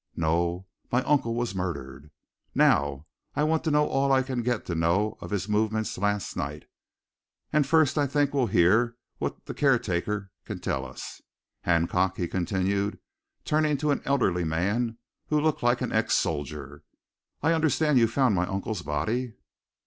No my uncle was murdered! Now I want to know all I can get to know of his movements last night. And first I think we'll hear what the caretaker can tell us. Hancock," he continued, turning to an elderly man who looked like an ex soldier, "I understand you found my uncle's body?"